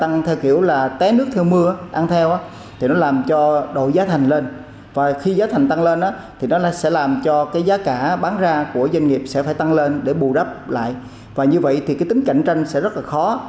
như vậy tính cạnh tranh sẽ rất khó